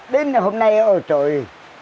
đến hôm nay ôi trời